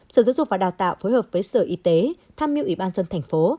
sở giáo dục và đào tạo phối hợp với sở y tế tham mưu ủy ban dân thành phố